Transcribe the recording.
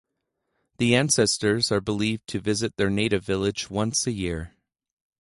The ancestors are believed to visit their native village once a year.